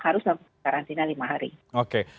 harus karantina lima hari